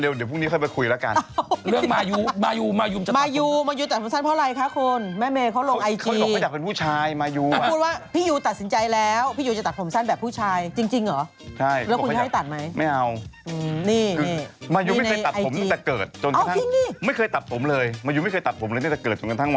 อเรนนี่ก่อนหน้านี้ไม่มีเลยนะ